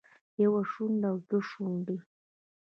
يوه شونډه او دوه شونډې